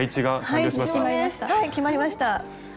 はい決まりました。